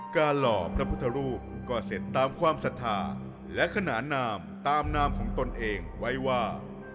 หล่อพระพุทธรูปก็เสร็จตามความศรัทธาและขนานนามตามนามของตนเองไว้ว่า